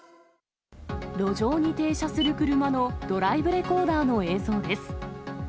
路上に停車する車のドライブレコーダーの映像です。